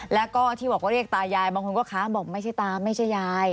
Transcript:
แล้วก็ที่บอกว่าเรียกตายายบางคนก็ค้านบอกไม่ใช่ตาไม่ใช่ยาย